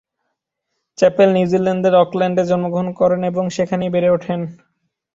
Chapel নিউজিল্যান্ডের অকল্যান্ডে জন্মগ্রহণ করেন এবং সেখানেই বেড়ে ওঠেন।